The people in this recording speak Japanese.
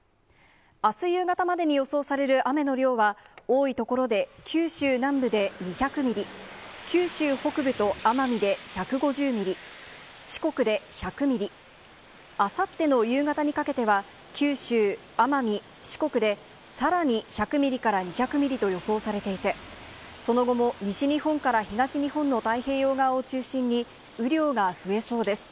あす夕方までに予想される雨の量は、多い所で、九州南部で２００ミリ、九州北部と奄美で１５０ミリ、四国で１００ミリ、あさっての夕方にかけては九州、奄美、四国で、さらに１００ミリから２００ミリと予想されていて、その後も西日本から東日本の太平洋側を中心に雨量が増えそうです。